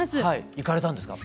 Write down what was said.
行かれたんですか？